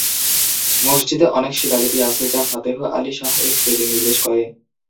মসজিদে অনেক শিলালিপি আছে যা ফাতেহ আলী শাহ এর স্মৃতি নির্দেশ করে।